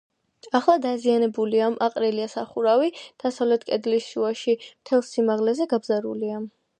ახლა დაზიანებულია: აყრილია სახურავი, დასავლეთ კედლის შუაში მთელს სიმაღლეზე, გაბზარულია.